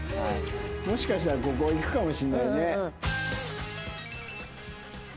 もしかしたらここいくかもしんないね。